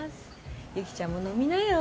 雪ちゃんも飲みなよ。